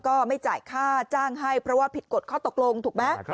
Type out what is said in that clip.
ก็ไม่จ่ายค่าจ้างให้เพราะว่าผิดกฎข้อตกลงถูกไหม